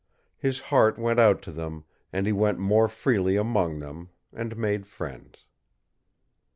His heart went out to them, and he went more freely among them, and made friends.